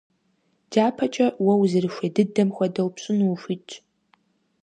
ДяпэкӀэ, уэ узэрыхуей дыдэм хуэдэу пщӀыну ухуитщ.